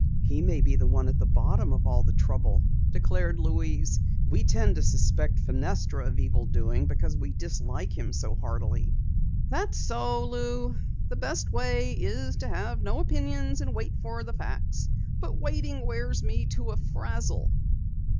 "He may be the one at the bottom of all the trouble," declared Louise. "We tend to suspect Fenestra of evil doing because we dislike him so heartily." "That's so, Lou. The best way is to have no opinions and wait for facts. But waiting wears me to a frazzle!"